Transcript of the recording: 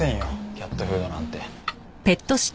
キャットフードなんて。